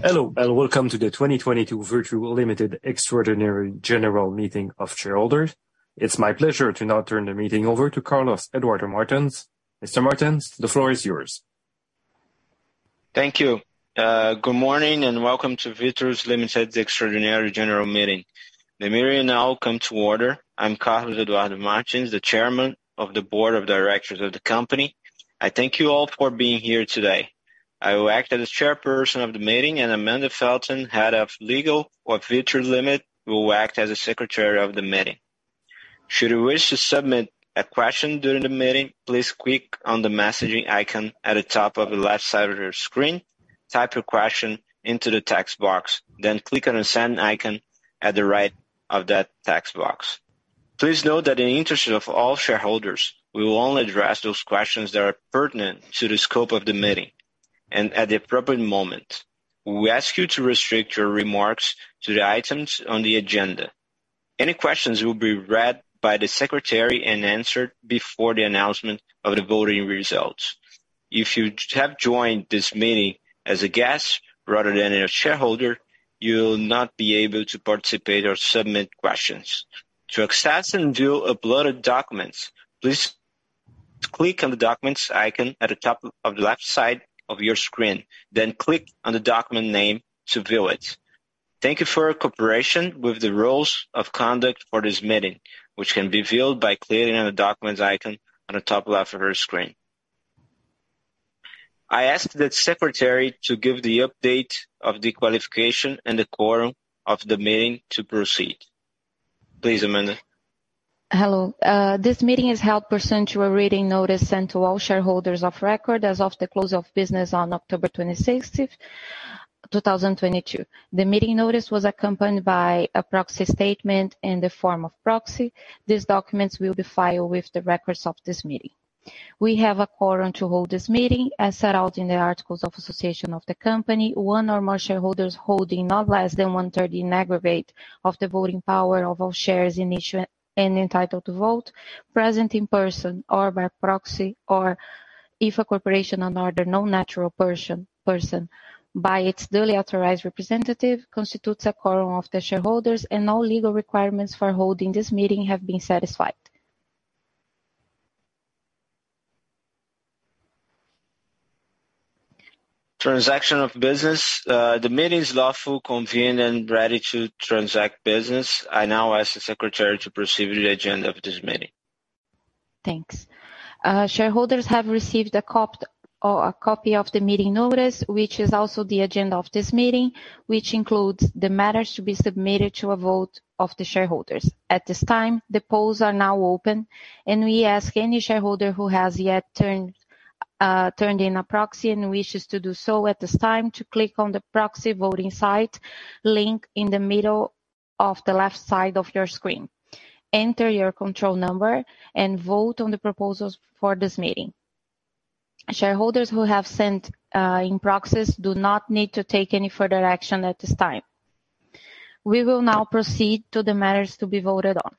Hello, and welcome to the 2022 Vitru Limited Extraordinary General Meeting of Shareholders. It's my pleasure to now turn the meeting over to Carlos Eduardo Martins e Silva. Mr. Martins e Silva, the floor is yours. Thank you. Good morning, and welcome to Vitru Limited's Extraordinary General Meeting. The meeting now come to order. I'm Carlos Eduardo Martins e Silva, the Chairman of the Board of Directors of the company. I thank you all for being here today. I will act as chairperson of the meeting, and Amanda Felten de Caires, Head of Legal of Vitru Limited, will act as the secretary of the meeting. Should you wish to submit a question during the meeting, please click on the messaging icon at the top of the left side of your screen, type your question into the text box, then click on the send icon at the right of that text box. Please note that in the interest of all shareholders, we will only address those questions that are pertinent to the scope of the meeting and at the appropriate moment. We ask you to restrict your remarks to the items on the agenda. Any questions will be read by the secretary and answered before the announcement of the voting results. If you have joined this meeting as a guest rather than a shareholder, you will not be able to participate or submit questions. To access and view uploaded documents, please click on the documents icon at the top of the left side of your screen, then click on the document name to view it. Thank you for your cooperation with the rules of conduct for this meeting, which can be viewed by clicking on the documents icon on the top left of your screen. I ask the secretary to give the update of the qualification and the quorum of the meeting to proceed. Please, Amanda. Hello. This meeting is held pursuant to a rating notice sent to all shareholders of record as of the close of business on October 26, 2022. The meeting notice was accompanied by a proxy statement in the form of proxy. These documents will be filed with the records of this meeting. We have a quorum to hold this meeting as set out in the Articles of Association of the company. One or more shareholders holding not less than 1/3 in aggregate of the voting power of all shares in issue and entitled to vote, present in person or by proxy, or if a corporation or another non-natural person by its duly authorized representative, constitutes a quorum of the shareholders and all legal requirements for holding this meeting have been satisfied. Transaction of business. The meeting is lawful, convened, and ready to transact business. I now ask the secretary to proceed with the agenda of this meeting. Thanks. Shareholders have received a copy of the meeting notice, which is also the agenda of this meeting, which includes the matters to be submitted to a vote of the shareholders. At this time, the polls are now open, and we ask any shareholder who has yet turned in a proxy and wishes to do so at this time to click on the proxy voting site link in the middle of the left side of your screen. Enter your control number and vote on the proposals for this meeting. Shareholders who have sent in proxies do not need to take any further action at this time. We will now proceed to the matters to be voted on.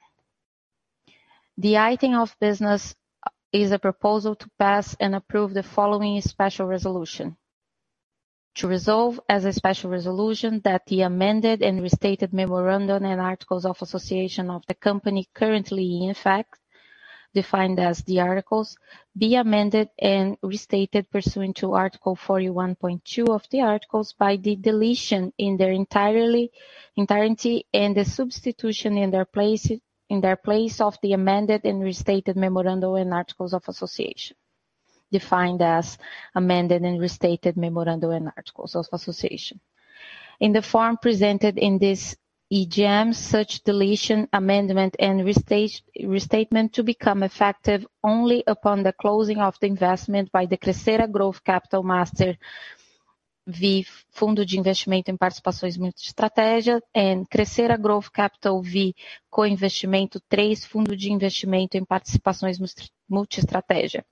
The item of business is a proposal to pass and approve the following special resolution: To resolve as a special resolution that the amended and restated Memorandum and Articles of Association of the company currently in effect, defined as the articles, be amended and restated pursuant to Article 41.2 of the articles by the deletion in their entirety and the substitution in their place of the amended and restated Memorandum and Articles of Association, defined as amended and restated Memorandum and Articles of Association. In the form presented in this EGM, such deletion, amendment, and restatement to become effective only upon the closing of the investment by the Crescera Growth Capital Master V Fundo de Investimento em Participações Multiestratégia and Crescera Growth Capital V Coinvestimento III Fundo de Investimento em Participações Multiestratégia,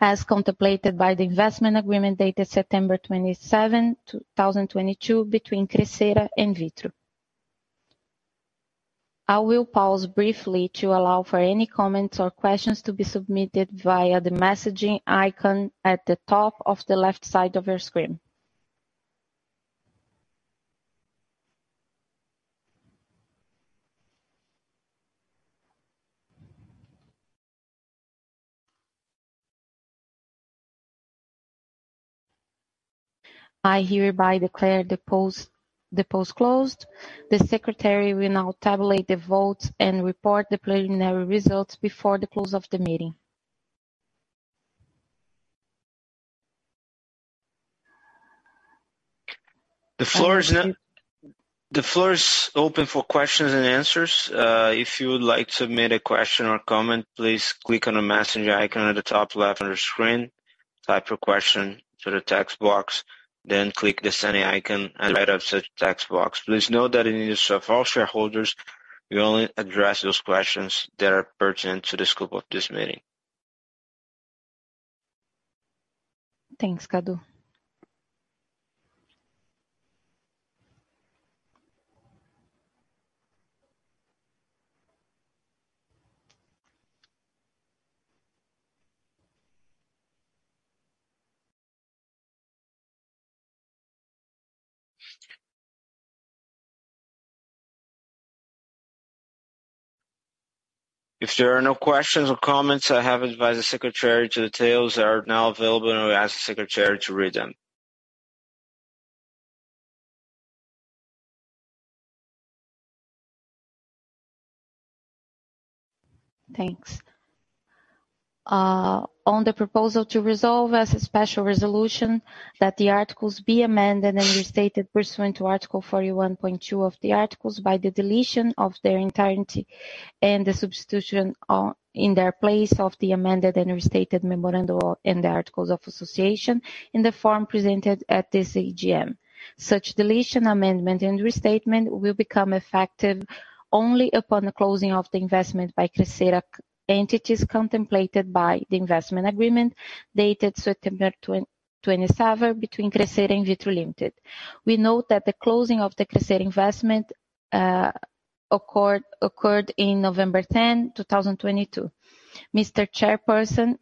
as contemplated by the investment agreement dated September 27, 2022 between Crescera and Vitru. I will pause briefly to allow for any comments or questions to be submitted via the messaging icon at the top of the left side of your screen. I hereby declare the polls closed. The secretary will now tabulate the votes and report the preliminary results before the close of the meeting. The floor is open for questions and answers. If you would like to submit a question or comment, please click on the messenger icon at the top left of your screen, type your question to the text box, then click the send icon at right of said text box. Please note that in the interest of all shareholders, we only address those questions that are pertinent to the scope of this meeting. Thanks, Cadu. If there are no questions or comments, I have advised the secretary of the details that are now available, and I'll ask the secretary to read them. Thanks. On the proposal to resolve as a special resolution that the articles be amended and restated pursuant to Article 41.2 of the articles by the deletion of their entirety and the substitution in their place of the amended and restated Memorandum and Articles of Association in the form presented at this AGM. Such deletion, amendment, and restatement will become effective only upon the closing of the investment by Crescera entities contemplated by the investment agreement dated September 27 between Crescera and Vitru Limited. We note that the closing of the Crescera investment occurred in November 10, 2022. Mr. Chairperson,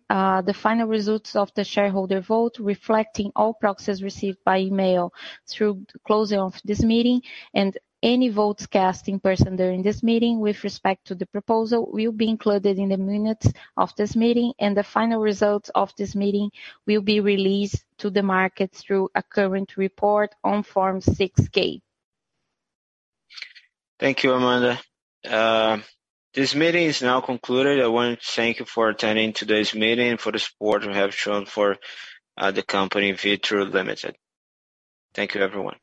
the final results of the shareholder vote reflecting all proxies received by email through the closing of this meeting and any votes cast in person during this meeting with respect to the proposal will be included in the minutes of this meeting, and the final results of this meeting will be released to the market through a current report on Form 6-K. Thank you, Amanda. This meeting is now concluded. I want to thank you for attending today's meeting and for the support you have shown for the company Vitru Limited. Thank you, everyone.